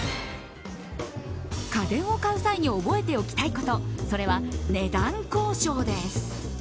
家電を買う際に覚えておきたいことそれは値段交渉です。